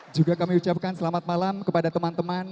juga kami ucapkan selamat malam kepada teman teman